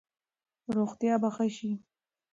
روغتیا به ښه شي.